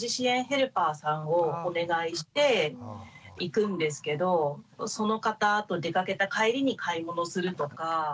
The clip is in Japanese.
ヘルパーさんをお願いして行くんですけどその方と出かけた帰りに買い物するとか。